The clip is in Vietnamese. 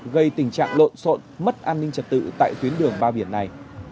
gây tình trạng lộn xộn mất an ninh trật tự tại tuyến đường ba biển này